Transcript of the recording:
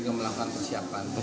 juga melakukan persiapan